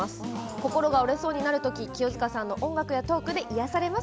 心が折れそうになるとき清塚さんの音楽やトークで癒やされます。